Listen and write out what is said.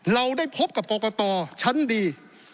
เราได้พบกับกรกตชั้นดี